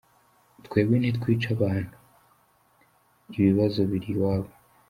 “Twebwe ntitwica abantu, ibibazo biri iwabo.